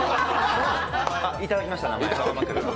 いただきました、名前。